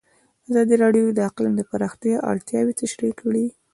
ازادي راډیو د اقلیم د پراختیا اړتیاوې تشریح کړي.